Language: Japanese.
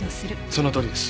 そのとおりです。